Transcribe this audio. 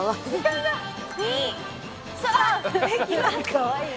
かわいい。